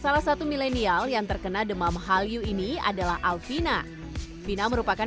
salam satu milenial yang terkena demam hal you ini adalah alfina bina merupakan